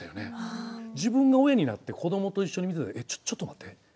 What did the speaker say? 自分が親になってこどもと一緒に見た時「えっちょちょっと待って。